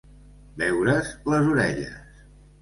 Veure's les orelles.